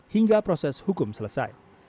hingga proses hukum selesai